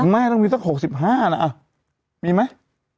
แม่ต้องมีสัก๖๕นะมีไหม